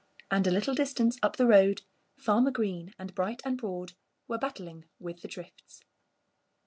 And a little distance up the road Farmer Green and Bright and Broad were battling with the drifts.